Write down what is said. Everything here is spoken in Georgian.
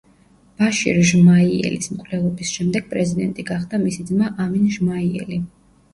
ბაშირ ჟმაიელის მკვლელობის შემდეგ პრეზიდენტი გახდა მისი ძმა ამინ ჟმაიელი.